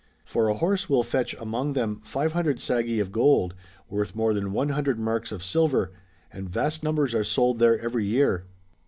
For a horse will fetch among them 500 saggi of gold, worth more than 100 marks of silver, and vast numbers are sold there every year.